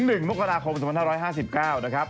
จนถึง๑มกราคมสม๑๕๙นะครับ